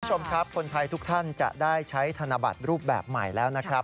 คุณผู้ชมครับคนไทยทุกท่านจะได้ใช้ธนบัตรรูปแบบใหม่แล้วนะครับ